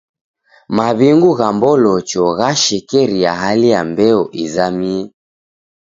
Maw'ingu gha m'bolocho ghashekeria hali ya mbeo izamie.